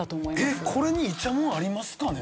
えっこれにイチャモンありますかね？